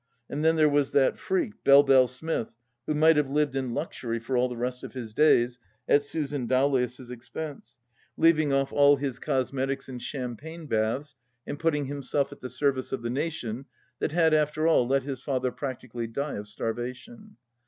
And then there was that freak, Belle Belle Smith, who might have lived in luxury for all the rest of his days (at Susan Dowlais' expense), leaving off all his 172 THE LAST DITCH cosmetics and champagne baths and putting himself at the service of the nation that had after all let his father prac tically die of starvation.